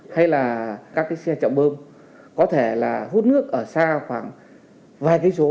hay là các cái xe chậm bơm có thể là hút nước ở xa khoảng vài cái số